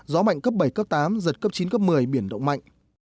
gió mạnh cấp bảy cấp tám giật cấp chín cấp một mươi biển động mạnh